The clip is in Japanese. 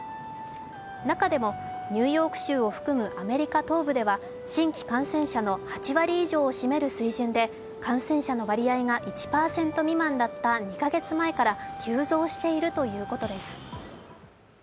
中でも、ニューヨーク州を含むアメリカ東部では新規感染者の８割以上を占める水準で感染者の割合が１％未満だった２カ月前から急増しているということです。